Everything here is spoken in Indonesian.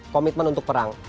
komitmen untuk perang